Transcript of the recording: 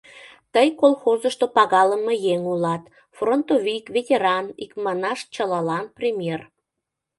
Тый колхозышто пагалыме еҥ улат, фронтовик, ветеран, икманаш, чылалан пример.